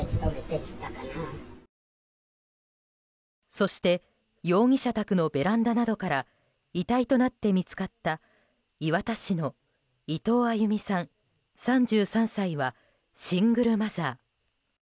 そして、容疑者宅のベランダなどから遺体となって見つかった磐田市の伊藤亜佑美さん、３３歳はシングルマザー。